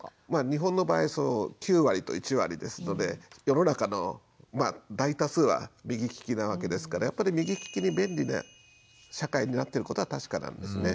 日本の場合９割と１割ですので世の中のまあ大多数は右利きなわけですからやっぱり右利きに便利な社会になってることは確かなんですね。